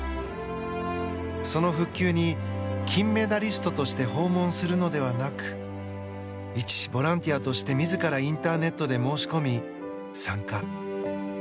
その復旧に、金メダリストとして訪問するのではなく一ボランティアとして自らインターネットで申し込み参加。